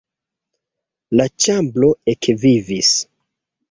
La ĉambro ekvivis.